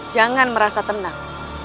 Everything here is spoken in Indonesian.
jangan merasa tenang